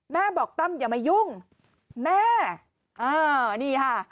แม่บอกตั้มอย่ามายุ่งแม่นี่ค่ะ